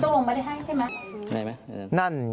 ตรงมันได้ให้ใช่ไหม